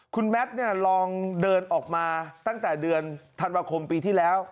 คุณแมทลองเดินออกมาตั้งแต่เดือนธันวาคมปีที่แล้ว